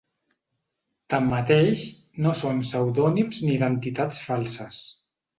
Tanmateix, no són pseudònims ni identitats falses.